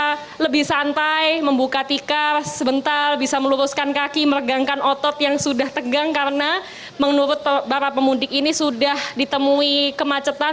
mereka lebih santai membuka tikar sebentar bisa meluruskan kaki meregangkan otot yang sudah tegang karena menurut para pemudik ini sudah ditemui kemacetan